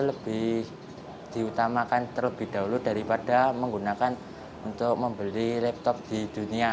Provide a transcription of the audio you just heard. lebih diutamakan terlebih dahulu daripada menggunakan untuk membeli laptop di dunia